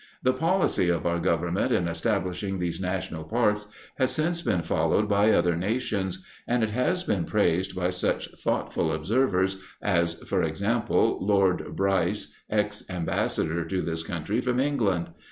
The policy of our Government in establishing these national parks has since been followed by other nations, and it has been praised by such thoughtful observers as, for example, Lord Bryce, ex ambassador to this country from England.